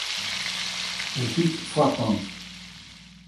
Muzyk foarkant.